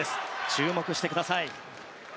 注目してください。